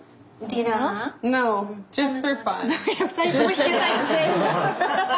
２人とも弾けない。